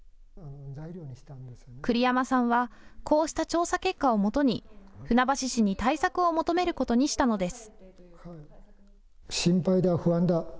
栗山さんは、こうした調査結果をもとに船橋市に対策を求めることにしたのです。